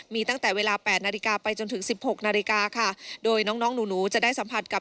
มีตั้งแต่เวลา๘นาฬิกาไปจนถึง๑๖นาฬิกาค่ะ